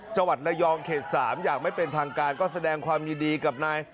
จังหวัดระยองเขต๓อย่างไม่เป็นทางการก็แสดงความยินดีกับนาย